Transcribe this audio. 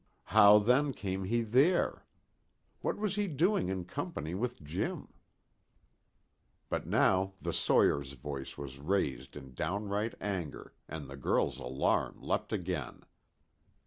How then came he there? What was he doing in company with Jim? But now the sawyer's voice was raised in downright anger, and the girl's alarm leapt again.